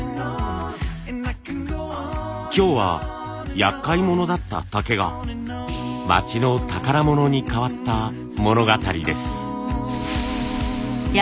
今日は厄介者だった竹が町の宝物に変わった物語です。